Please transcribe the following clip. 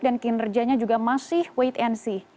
dan kinerjanya juga masih wait and see